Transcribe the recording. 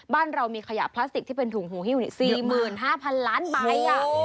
บ้านเรามีขยะพลาสติกที่เป็นถุงหูฮิ้ว๔๕๐๐๐ล้านใบ